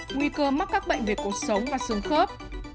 ba nguy cơ mắc các bệnh về cột sống và xương khớp